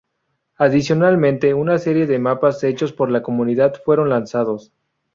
Adicionalmente, una serie de mapas hechos por la comunidad fueron lanzados.